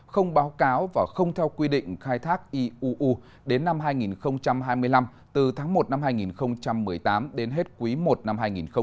không báo cáo và không theo quy định khai thác iuu đến năm hai nghìn hai mươi năm từ tháng một năm hai nghìn một mươi tám đến hết quý i năm hai nghìn hai mươi